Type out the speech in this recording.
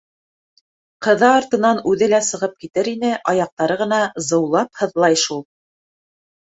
Ҡыҙы артынан үҙе лә сығып китер ине, аяҡтары ғына зыулап һыҙлай шул.